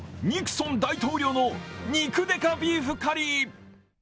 ソン大統領の肉デカビーフカリー。